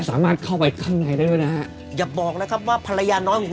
อีกภายใครบ่อยอีกภายใครอะกูไม่รู้